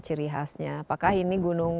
ciri khasnya apakah ini gunung